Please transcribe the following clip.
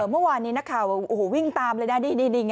เมื่อวานนี้นะครับวิ่งตามเลยนะดีอย่างนี้